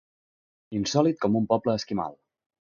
Insòlit com un poble esquimal.